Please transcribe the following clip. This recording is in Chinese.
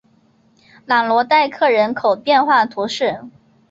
朗罗代克人口变化图示